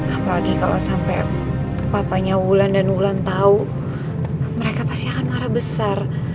apalagi kalau sampai papanya wulan dan wulan tahu mereka pasti akan marah besar